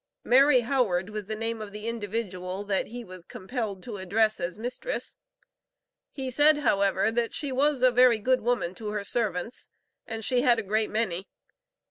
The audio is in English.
Mary Howard was the name of the individual that he was compelled to address as "mistress." He said, however, that "she was a very good woman to her servants," and she had a great many.